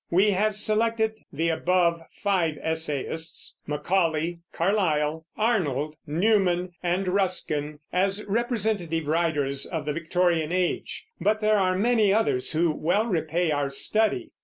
We have selected the above five essayists, Macaulay, Carlyle, Arnold, Newman, and Ruskin, as representative writers of the Victorian Age; but there are many others who well repay our study.